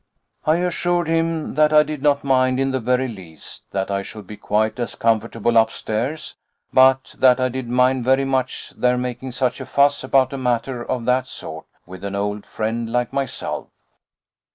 I assured him that I did not mind in the very least, that I should be quite as comfortable upstairs, but that I did mind very much their making such a fuss about a matter of that sort with an old friend like myself.